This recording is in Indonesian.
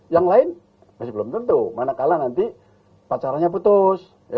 yang lain masih belum tentu manakala nanti pacaranya putus